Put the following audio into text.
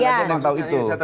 adian aja yang tahu itu